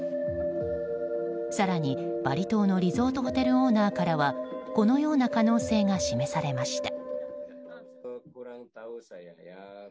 更に、バリ島のリゾートホテルオーナーからはこのような可能性が示されました。